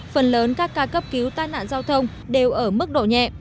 phần lớn các ca cấp cứu tai nạn giao thông đều ở mức độ nhẹ